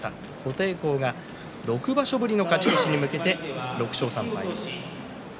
琴恵光は６場所ぶりの勝ち越しに向けて６勝３敗です。